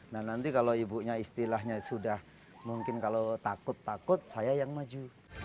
jadi kalau ibunya istilahnya sudah mungkin kalau takut takut saya yang maju